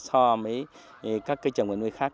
so với các cây trồng và nuôi khác